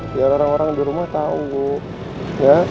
biar orang orang di rumah tahu ya